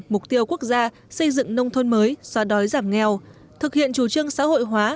mục tiêu quốc gia xây dựng nông thôn mới xóa đói giảm nghèo thực hiện chủ trương xã hội hóa